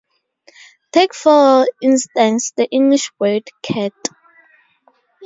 Take for instance the English word "cat".